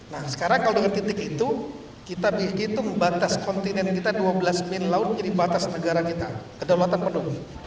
nah sekarang kalau dengan titik itu kita hitung batas kontinen kita dua belas mil laut menjadi batas negara kita kedaulatan penuh